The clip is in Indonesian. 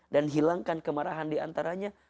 dan hilangkan kemarahan diantaranya